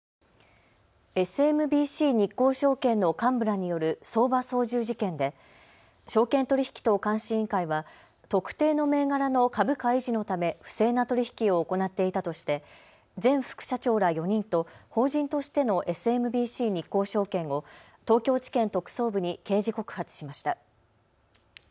ＳＭＢＣ日興証券の幹部らによる相場操縦事件で証券取引等監視委員会は特定の銘柄の株価維持のため不正な取引を行っていたとして前副社長ら４人と法人としてのＳＭＢＣ日興証券を東京地検特捜部に刑事告発しました。